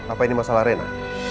apa ini masalah reina